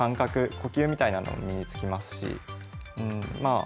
呼吸みたいなのも身につきますしまあ